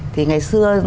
thì ngày xưa